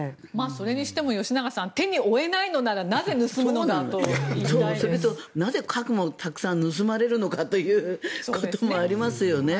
それにしても吉永さん手に負えないのならなぜ、かくもたくさん盗まれるのかということもありますよね。